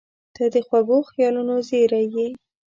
• ته د خوږو خیالونو زېری یې.